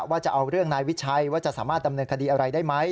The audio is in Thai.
จะเอาเรื่องนายวิชัยว่าจะสามารถดำเนินคดีอะไรได้ไหม